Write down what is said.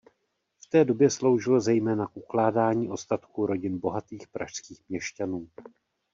V té době sloužil zejména k ukládání ostatků rodin bohatých pražských měšťanů.